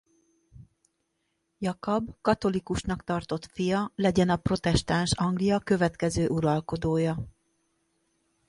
Jakab katolikusnak tartott fia legyen a protestáns Anglia következő uralkodója.